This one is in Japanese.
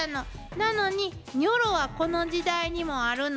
なのにニョロはこの時代にもあるの。